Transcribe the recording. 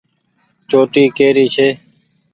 چوٽي ڪي ري ڇي۔